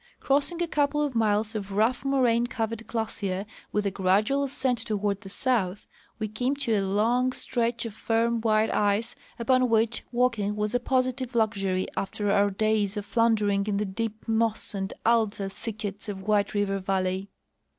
Crossing a couple of miles of rough moraine covered glacier with a gradual ascent toward the south, we came to a long stretch of firm white ice upon which walking was a positive luxury after our days of floundering in the deep moss and alder thickets of White River valley.